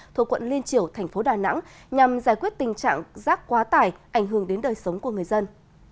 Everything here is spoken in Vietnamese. thuộc quận liên triểu thành phố đà nẵng nhằm giải quyết tình trạng rác quá tải ảnh hưởng đến đời sống của người dân